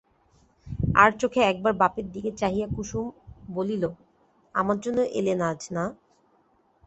আড়চোখে একবার বাপের দিকে চাহিয়া কুসুম বলিল, আমার জন্য এলেন আজ, না?